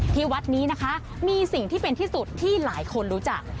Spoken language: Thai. ที่วัดนี้นะคะมีสิ่งที่เป็นที่สุดที่หลายคนรู้จัก